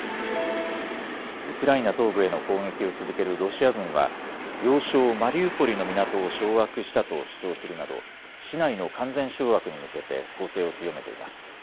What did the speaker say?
ウクライナ東部への攻撃を続けるロシア軍は要衝マリウポリの港を掌握したと主張するなど市内の完全掌握に向けて攻勢を強めています。